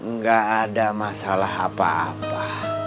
nggak ada masalah apa apa